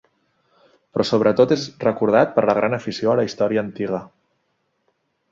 Però sobretot és recordat per la gran afició a la història antiga.